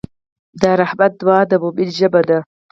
د رحمت دعا د مؤمن ژبه ده.